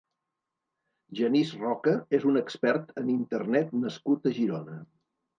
Genís Roca és un expert en Internet nascut a Girona.